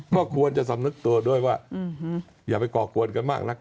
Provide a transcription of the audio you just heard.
ก็ควรจะสำนึกตัวด้วยว่าอย่าไปก่อกวนกันมากนัก